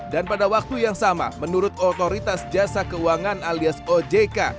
dan pada waktu yang sama menurut otoritas jasa keuangan alias ojk